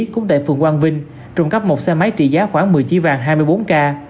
cũng tại phường quang vinh trụng cắp một xe máy trị giá khoảng một mươi chi vàng hai mươi bốn ca